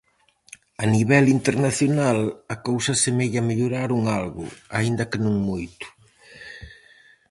A nivel internacional a cousa semella mellorar un algo, aínda que non moito.